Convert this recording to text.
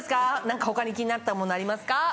何か他に気になったものありますか？